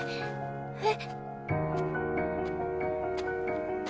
えっ？